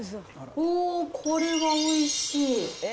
おー、これはおいしい。